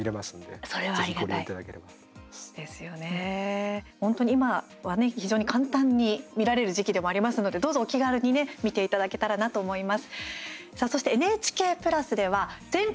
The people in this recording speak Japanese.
ぜひご利用いただければとで本当に今はね非常に簡単に見られる時期でもありますのでどうぞ、お気軽にね見ていただけたらなと思います。